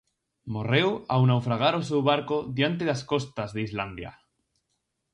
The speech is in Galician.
Morreu ao naufragar o seu barco diante das costas de Islandia.